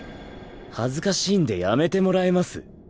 恥ずかしいんでやめてもらえます？